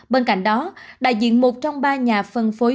bên cạnh đó đại diện một trong ba nhà phân phối